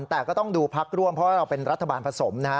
แต่ก็ต้องดูพักร่วมเพราะว่าเราเป็นรัฐบาลผสมนะฮะ